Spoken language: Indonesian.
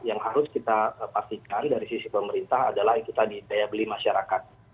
yang harus kita pastikan dari sisi pemerintah adalah itu tadi daya beli masyarakat